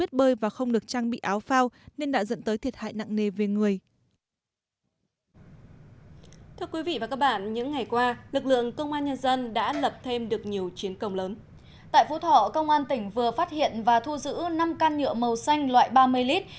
tại phú thỏ công an tỉnh vừa phát hiện và thu giữ năm can nhựa màu xanh loại ba mươi lit